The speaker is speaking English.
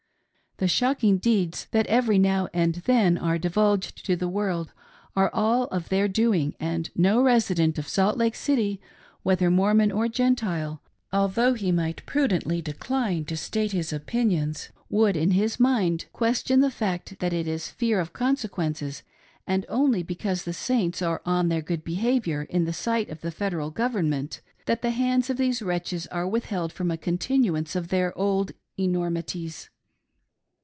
The shocking deeds that every now and then are divulged to the world are all of their doing, and no resid ent of Salt Lake City, whether Mormon or Gentile, although he might prudently decline to state his opinions, would in his mind question the fact that it is fear of consequences, and only because the Saints are "on their good behavior" in the sight of the Federal Government, that the hands of these wretches are withheld from a continuance of their old enormities.